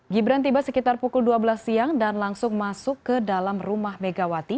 gibran tiba sekitar pukul dua belas siang dan langsung masuk ke dalam rumah megawati